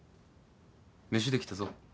飯できたぞ。